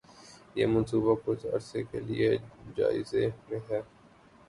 یہ منصوبہ کچھ عرصہ کے لیے جائزے میں ہے